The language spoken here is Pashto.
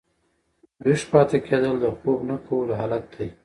ویښ پاته کېدل د خوب نه کولو حالت دئ.